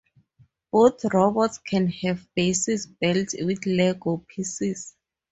Both robots can have bases built with Lego pieces.